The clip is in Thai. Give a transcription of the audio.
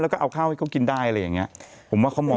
แล้วก็เอาข้าวให้เขากินได้อะไรอย่างเงี้ย